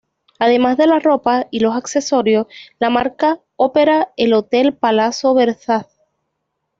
Además de la ropa y los accesorios, la marca opera el hotel Palazzo Versace.